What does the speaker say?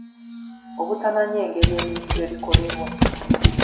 Obutamanya engeri ebintu gye bikolebwa.